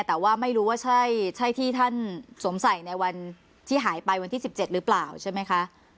แต่ว่าไม่รู้ว่าใช่ที่ท่านสวมใส่ในวันที่หายไปวันที่๑๗หรือเปล่าใช่ไหมคะ